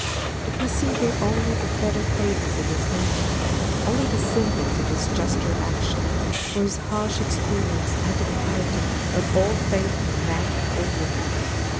But we see here only the better phases of his nature, only the symbols of his juster action, for his harsh experience had deprived him of all faith in man or woman.